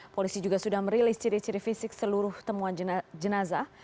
polisi juga sudah merilis ciri ciri fisik seluruh temuan jenazah